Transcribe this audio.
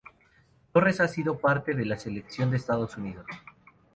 Torres ha sido parte de la Selección de Estados Unidos.